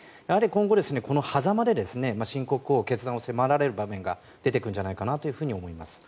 今後、そのはざまで新国王決断を迫られる場面が出てくるんじゃないかと思います。